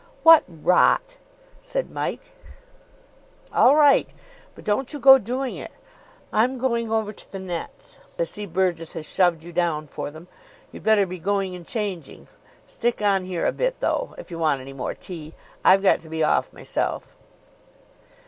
"What rot!" said Mike. "All right. But don't you go doing it. I'm going over to the nets. I see Burgess has shoved you down for them. You'd better be going and changing. Stick on here a bit, though, if you want any more tea. I've got to be off myself."